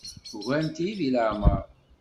Ugarent-iyi deg leɛmeṛ.